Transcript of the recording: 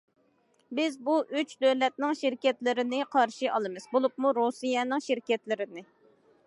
بىز بۇ ئۈچ دۆلەتنىڭ شىركەتلىرىنى قارشى ئالىمىز، بولۇپمۇ رۇسىيەنىڭ شىركەتلىرىنى.